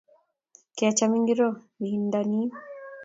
kecham ingiroo nin nda ni?